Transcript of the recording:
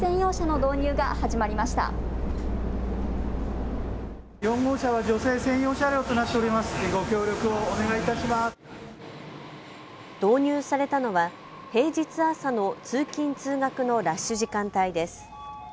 導入されたのは平日朝の通勤通学のラッシュ時間帯です。